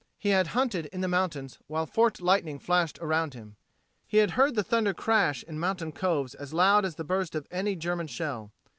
He had hunted in the mountains while forked lightning flashed around him. He had heard the thunder crash in mountain coves as loud as the burst of any German shell.